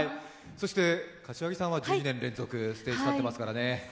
柏木さんは１２年連続、ステージに立ってますからね。